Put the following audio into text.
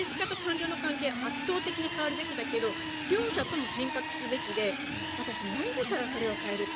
政治家と官僚の関係は圧倒的に変わるべきだけど両者とも変革すべきでそれを内部から変えるのは